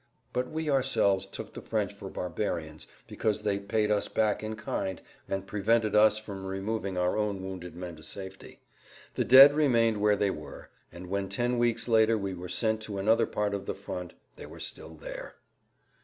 But we ourselves took the French for barbarians because they paid us back in kind and prevented us from removing our own wounded men to safety. The dead remained where they were, and when ten weeks later we were sent to another part of the front they were still there.